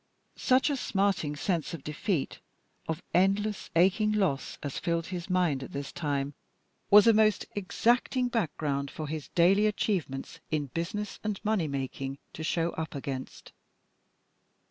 Such a smarting sense of defeat, of endless aching loss as filled his mind at this time, was a most exacting background for his daily achievements in business and money making to show up against.